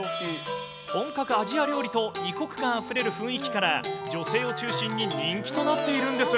本格アジア料理と異国感あふれる雰囲気から、女性を中心に人気となっているんです。